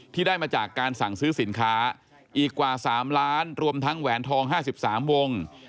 ที่ได้มาจากการสั่งซื้อสินค้าอีกกว่า๓ล้านรวมทั้งแหวนทอง๕๓วง